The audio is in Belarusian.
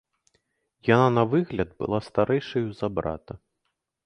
Яна на выгляд была старэйшаю за брата.